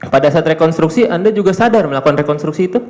pada saat rekonstruksi anda juga sadar melakukan rekonstruksi itu